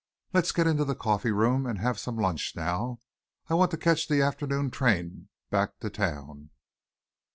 Let's get into the coffee room and have some lunch now. I want to catch the afternoon train back to town."